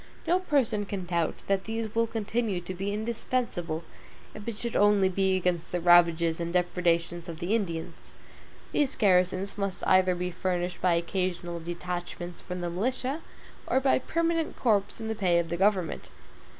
No person can doubt that these will continue to be indispensable, if it should only be against the ravages and depredations of the Indians. These garrisons must either be furnished by occasional detachments from the militia, or by permanent corps in the pay of the government.